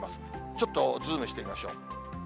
ちょっとズームしてみましょう。